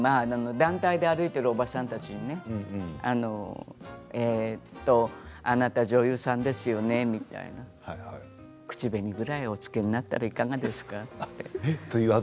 団体で歩いているおばさんたちにねあなた女優さんですよねみたいな口紅ぐらいおつけになったらいかがですかって。